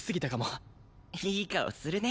いい顔するね！